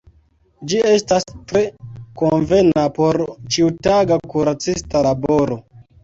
Ĝi estas tre konvena por ĉiutaga kuracista laboro.